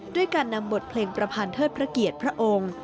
ด้วยการนำบทเพลงประพันธ์เทิดพระเกียรติพระองค์